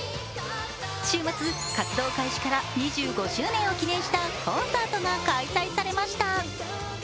週末、活動開始から２５周年を記念したコンサートが開催されました。